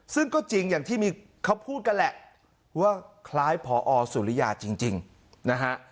ซึ่งก็จริงอย่างที่มีเขาพูดกันแหละว่าคล้ายพอสุริยาจริงนะฮะ